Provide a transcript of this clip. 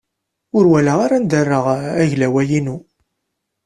Ur walaɣ ara anda ara rreɣ aglaway-inu.